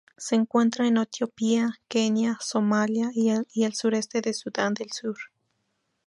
Se encuentra en Etiopía, Kenia, Somalia y el sureste de Sudán del Sur.